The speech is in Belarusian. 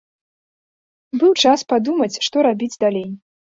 Быў час падумаць, што рабіць далей.